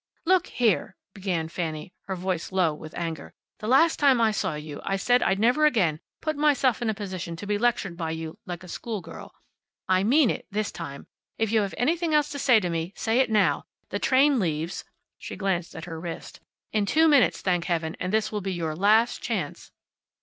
"Look here!" began Fanny, her voice low with anger; "the last time I saw you I said I'd never again put myself in a position to be lectured by you, like a schoolgirl. I mean it, this time. If you have anything else to say to me, say it now. The train leaves" she glanced at her wrist "in two minutes, thank Heaven, and this will be your last chance."